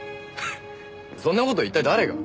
そんな事一体誰が。